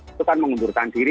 itu kan mengundurkan diri